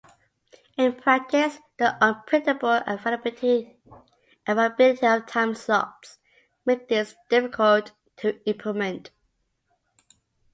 In practice, the unpredictable availability of time slots makes this difficult to implement.